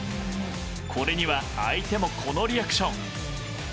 これには相手もこのリアクション。